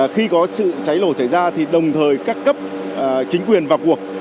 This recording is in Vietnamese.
khi có sự cháy nổ xảy ra thì đồng thời các cấp chính quyền vào cuộc